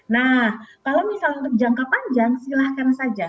nah kalau misalnya untuk jangka panjang silahkan saja